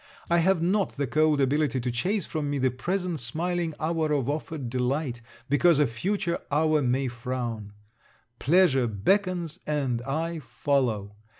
I have not the cold ability to chase from me the present smiling hour of offered delight, because a future hour may frown. Pleasure beckons, and I follow.